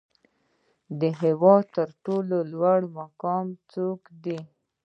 د هیواد تر ټولو لوړ مقام څوک دی؟